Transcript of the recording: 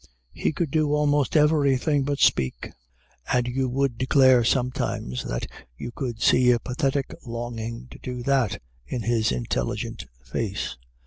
He could do almost everything but speak; and you would declare sometimes that you could see a pathetic longing to do that in his intelligent face.